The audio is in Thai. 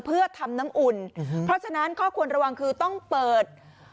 เพื่อทำน้ำอุ่นเพราะฉะนั้นข้อควรระวังคือต้องเปิด